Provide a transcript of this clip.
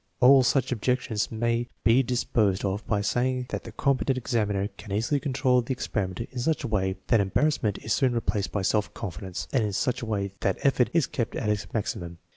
All such objections may be disposed of by saying that the competent examiner can easily control the experi ment in such a way that embarrassment is soon replaced by self confidence, and in such a way that effort is kept at its maximum.